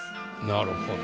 なるほど。